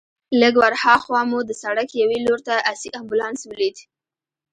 لږ ورهاخوا مو د سړک یوې لور ته آسي امبولانس ولید.